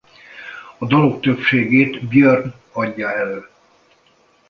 A dalok többségét Björn adja elő.